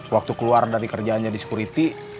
waktu keluar dari kerjaan jadi security